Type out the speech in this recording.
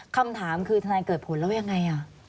คำถามคือทนายเกิดผลแล้วยังไง